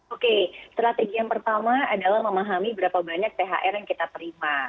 oke strategi yang pertama adalah memahami berapa banyak thr yang kita terima